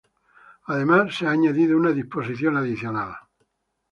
Además se ha añadido una "disposición adicional".